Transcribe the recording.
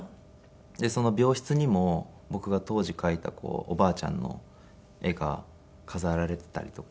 その病室にも僕が当時描いたおばあちゃんの絵が飾られていたりとか。